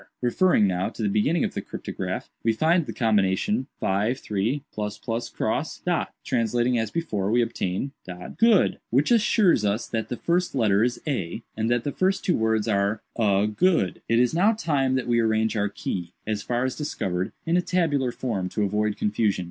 "Referring, now, to the beginning of the cryptograph, we find the combination, 53‡‡†. "Translating as before, we obtain good, which assures us that the first letter is A, and that the first two words are 'A good.' "It is now time that we arrange our key, as far as discovered, in a tabular form, to avoid confusion.